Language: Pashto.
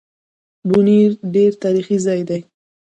بونېر ډېر تاريخي ځای دی